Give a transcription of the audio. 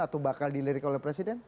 atau bakal dilirik oleh presiden